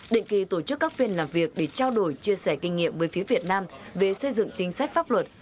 định kỳ tổ chức các phiên làm việc để trao đổi chia sẻ kinh nghiệm với phía việt nam về xây dựng chính sách pháp luật